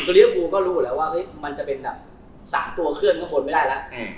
เลี้ยปูก็รู้อยู่แล้วว่ามันจะเป็นแบบ๓ตัวเคลื่อนข้างบนไม่ได้แล้ว